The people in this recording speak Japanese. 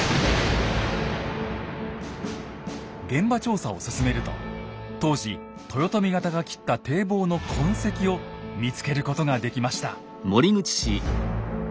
現場調査を進めると当時豊臣方が切った堤防の痕跡を見つけることができました。